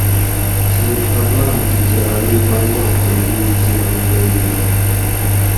صرف اۤ باۤم تھی کرائی پنجاۤ تے بِیش زِر رُوپئی دِئینت